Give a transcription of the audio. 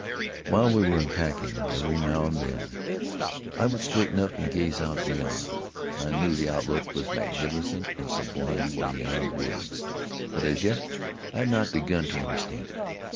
While we were unpacking, every now and then I would straighten up and gaze out beyond. I knew the outlook was magnificent and sublime beyond words, but as yet I had not begun to understand it.